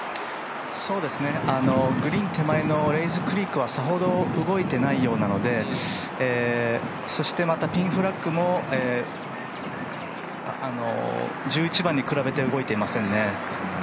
グリーン手前のレイズクリークはそれほど動いていないようなのでそしてピンフラッグも、１１番に比べて動いていませんね。